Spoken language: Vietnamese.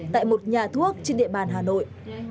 tại một nhà thuốc trên địa bàn hà nội